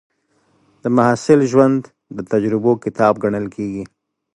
د محصل ژوند د تجربو کتاب ګڼل کېږي.